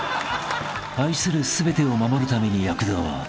［愛する全てを守るために躍動］